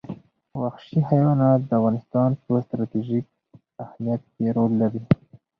وحشي حیوانات د افغانستان په ستراتیژیک اهمیت کې رول لري.